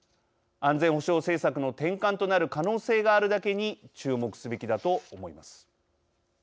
安全保障政策の転換となる可能性があるだけに注目すべきだと思います。